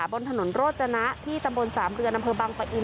บนถนนโรจนะที่ตำบลสามเรือนอำเภอบังปะอิน